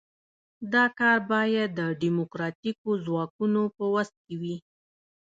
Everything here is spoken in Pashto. دا کار باید د ډیموکراتیکو ځواکونو په وس کې وي.